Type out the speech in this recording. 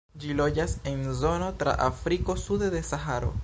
Ĝi loĝas en zono tra Afriko sude de Saharo.